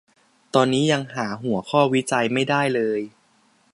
ตอนนี้ยังหาหัวข้อวิจัยไม่ได้เลย